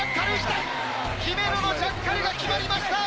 姫野のジャッカルが決まりました！